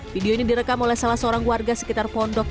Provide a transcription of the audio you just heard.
video ini direkam oleh salah seorang warga sekitar pondok